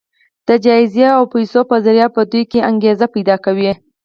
د جايزې او پيسو په ذريعه په دوی کې انګېزه پيدا کوي.